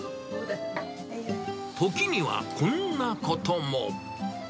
時には、こんなことも。